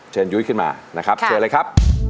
ยุ้ยขึ้นมานะครับเชิญเลยครับ